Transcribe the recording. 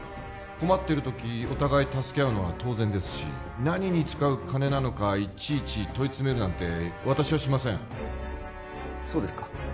困ってる時お互い助け合うのは当然ですし何に使う金なのかいちいち問い詰めるなんて私はしませんそうですか